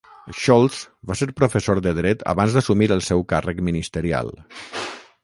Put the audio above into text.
Scholz va ser professor de dret abans d'assumir el seu càrrec ministerial.